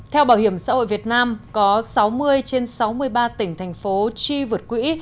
theo bảo hiểm xã hội việt nam có sáu mươi trên sáu mươi ba tỉnh thành phố chi vượt quỹ